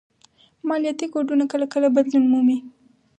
مالياتي کوډونه کله کله بدلون مومي